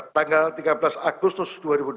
tanggal tiga belas agustus dua ribu dua puluh